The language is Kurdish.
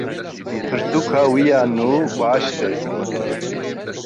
Pirtûka wî ya nû baş tê firotin.